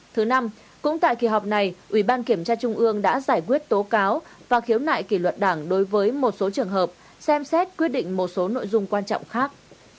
thứ năm cũng tại kỳ họp này ủy ban kiểm tra trung ương đã giải quyết tố cáo và khiếu nại kỷ luật đảng đối với một số trường hợp xem xét quyết định một số nội dung quan trọng khác